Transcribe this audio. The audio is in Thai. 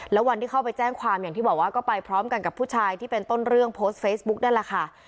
แล้ววันที่เข้าไปแจ้งความอย่างที่บอกว่าก็ไปพร้อมกันกับผู้ชายที่เป็นต้นเรื่องโพสต์เฟซบุ๊กนั่นแหละค่ะ